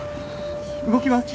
動きます。